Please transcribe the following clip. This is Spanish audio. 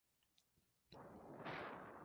El Kanato se convertiría en protectorado otomano.